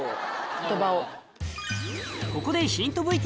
言葉を。